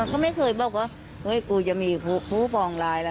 ก็ไม่เคยบอกว่าเฮ้ยกูจะมีผู้ปองร้ายล่ะ